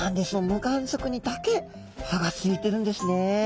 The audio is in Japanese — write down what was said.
無眼側にだけ歯がついてるんですね。